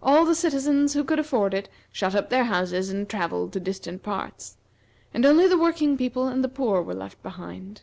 All the citizens who could afford it shut up their houses and travelled to distant parts, and only the working people and the poor were left behind.